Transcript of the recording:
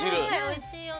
おいしいよね。